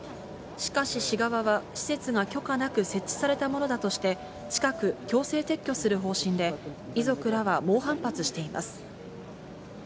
しかし、市側は、施設が許可なく設置されたものだとして、近く、強制撤去する方針で、遺族らは猛反発しています。